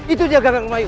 itu dia kakak rumayu